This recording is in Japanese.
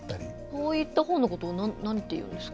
そういった本のことを何ていうんですか？